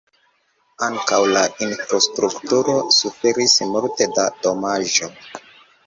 Ankaŭ la infrastrukturo suferis multe da damaĝo.